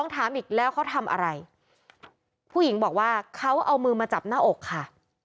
ถามอีกแล้วเขาทำอะไรผู้หญิงบอกว่าเขาเอามือมาจับหน้าอกค่ะ